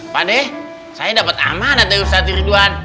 pade saya dapat amanat dari ustaz ridwan